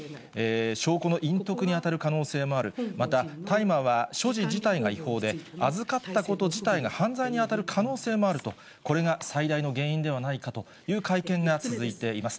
証拠の隠匿に当たる可能性もある、また大麻は所持自体が違法で、預かったこと自体が犯罪に当たる可能性もあると、これが最大の原因ではないかという会見が続いています。